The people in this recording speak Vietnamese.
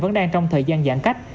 vẫn đang trong thời gian giãn cách